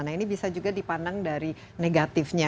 nah ini bisa juga dipandang dari negatifnya